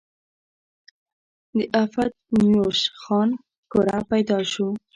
د افتينوش خان کره پيدا شو